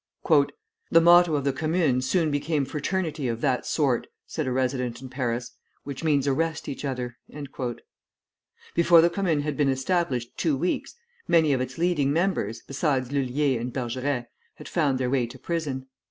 "The motto of the Commune soon became fraternity of that sort," said a resident in Paris, "which means arrest each other." Before the Commune had been established two weeks, many of its leading members, besides Lullier and Bergeret, had found their way to prison.